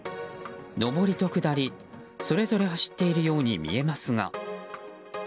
上りと下り、それぞれ走っているように見えますが。